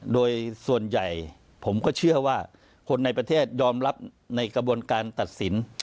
โดยส่วนใหญ่ผมก็เชื่อว่าคนในประเทศยอมรับในกระบวนการตัดสิน